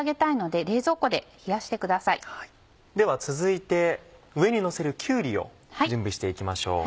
では続いて上にのせるきゅうりを準備して行きましょう。